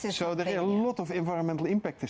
tapi beberapa tindakan yang tidak berguna untuk digunakan